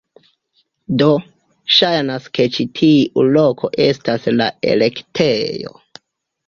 Do, ŝajnas ke ĉi tiu loko estas la elektejo